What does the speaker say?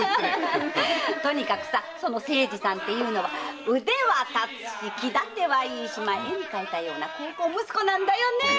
とにかくその清次さんていうのは腕はたつし気だてはいいしまあ絵に描いたような孝行息子なんだよねえ？